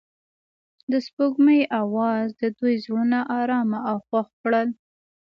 د سپوږمۍ اواز د دوی زړونه ارامه او خوښ کړل.